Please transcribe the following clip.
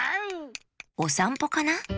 おさんぽかな？